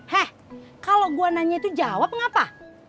heh kalau gua nanya itu jawab apa